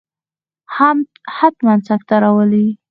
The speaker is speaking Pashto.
حتما سکته راولي.